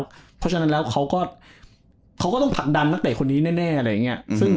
เพราะฉะนั้นแล้วเขาก็ต้องผลักดันนักเตะคนนี้แน่อะไรอย่างนี้